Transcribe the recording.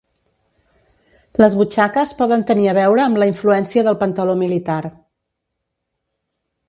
Les butxaques poden tenir a veure amb la influència del pantaló militar.